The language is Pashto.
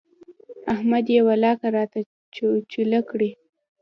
احمد يې ولاکه راته چوله کړي.